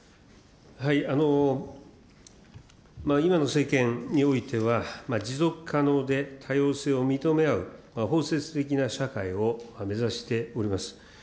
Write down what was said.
今の政権においては、持続可能で多様性を認め合う包摂的な社会を目指しております。